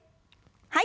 はい。